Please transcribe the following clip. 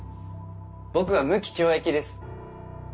僕は無期懲役です。